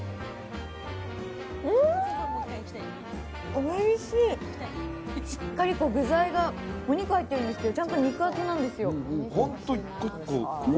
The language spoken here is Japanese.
おいしい、しっかり具材がお肉はいってるんですけどちゃんと肉厚なんですよ。